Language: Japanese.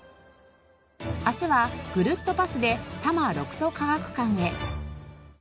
明日はぐるっとパスで多摩六都科学館へ。